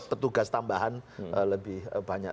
petugas tambahan lebih banyak